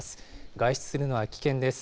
外出するのは危険です。